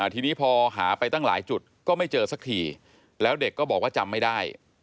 ทีนี้พอหาไปตั้งหลายจุดก็ไม่เจอสักทีแล้วเด็กก็บอกว่าจำไม่ได้